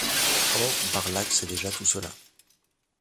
Or, Bärlach sait déjà tout cela.